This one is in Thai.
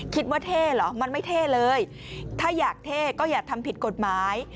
เท่เหรอมันไม่เท่เลยถ้าอยากเท่ก็อย่าทำผิดกฎหมาย